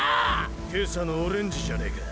今朝のオレンジじゃねえか。